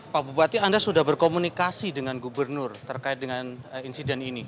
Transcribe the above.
pak bupati anda sudah berkomunikasi dengan gubernur terkait dengan insiden ini